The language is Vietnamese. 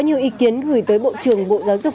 nhiều ý kiến gửi tới bộ trưởng bộ giáo dục